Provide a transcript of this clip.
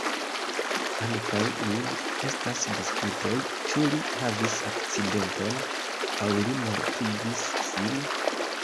Ankaŭ nun estas diskutoj, ĉu li havis akcidenton, aŭ li mortigis sin?